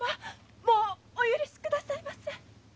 もうお許しくださいませ。